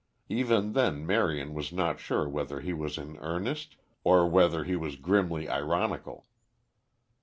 Even then Marion was not sure whether he was in earnest or whether he was grimly ironical.